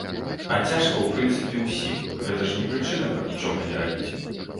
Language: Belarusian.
А цяжка ў прынцыпе ўсім, гэта ж не прычына, каб нічога не рабіць.